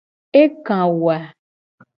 Eka wo a?